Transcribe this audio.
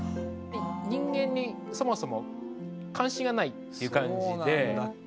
人間にそもそも関心がないっていう感じで。